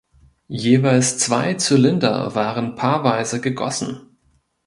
Jeweils zwei Zylinder waren paarweise gegossen.